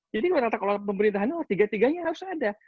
jadi tata kelola pemerintahan tiga tiganya harus ada